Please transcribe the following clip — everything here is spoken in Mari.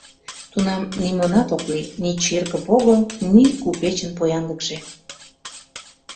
Тунам нимонат ок лий — ни черке пого, ни купечын поянлыкше.